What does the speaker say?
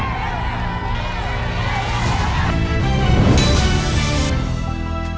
เวลา๓นาที